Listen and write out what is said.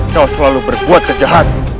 kau selalu berbuat kejahat